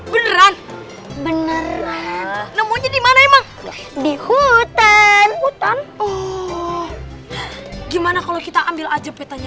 beneran beneran nemunya dimana emang di hutan hutan oh gimana kalau kita ambil aja pitanya